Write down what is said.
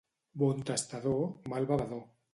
Bon tastador, mal bevedor.